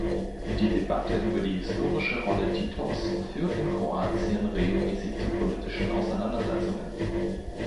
Die Debatte über die historische Rolle Titos führt in Kroatien regelmäßig zu politischen Auseinandersetzungen.